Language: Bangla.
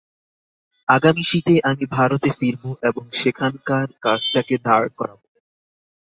আগামী শীতে আমি ভারতে ফিরব এবং সেখানকার কাজটাকে দাঁড় করাব।